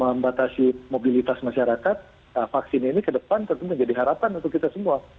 membatasi mobilitas masyarakat vaksin ini ke depan tentu menjadi harapan untuk kita semua